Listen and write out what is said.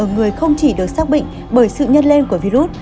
ở người không chỉ được xác bệnh bởi sự nhất lên của virus